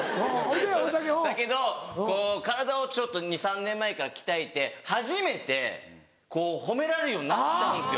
だけどこう体をちょっと２３年前から鍛えて初めてこう褒められるようになったんですよ。